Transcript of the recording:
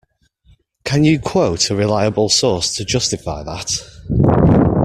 Can you quote a reliable source to justify that?